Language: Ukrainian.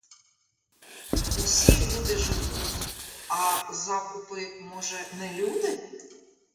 Усі люди живуть, а закупи, може, не люди?